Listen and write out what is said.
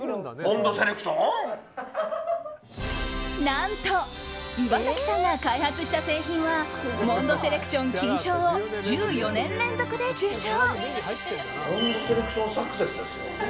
何と岩崎さんが開発した製品はモンドセレクション金賞を１４年連続で受賞。